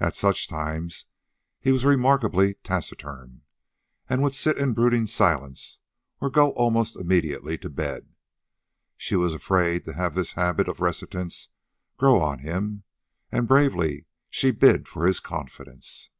At such times he was remarkably taciturn, and would sit in brooding silence or go almost immediately to bed. She was afraid to have this habit of reticence grow on him, and bravely she bid for his confidence.